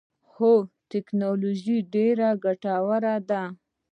هو، تکنالوجی ډیره ګټوره ده